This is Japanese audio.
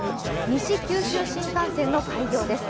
西九州新幹線の開業です。